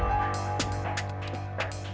aku mau ngerjain